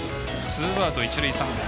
ツーアウト、一塁三塁。